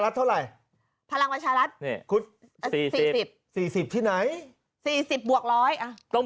เท่าไหร่พลังประชารัฐ๔๐๔๐ที่ไหน๔๐บวก๑๐๐ตรง